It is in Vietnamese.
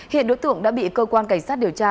hiện đối tượng đã bị cơ quan cảnh sát điều tra